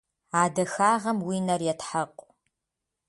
А дахагъэм уи нэр етхьэкъу.